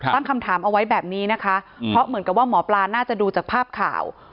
ตั้งคำถามเอาไว้แบบนี้นะคะเพราะเหมือนกับว่าหมอปลาน่าจะดูจากภาพข่าว